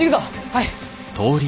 はい！